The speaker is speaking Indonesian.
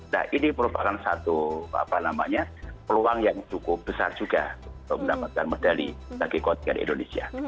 nah ini merupakan satu peluang yang cukup besar juga untuk mendapatkan medali bagi kontingen indonesia